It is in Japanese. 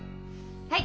はい！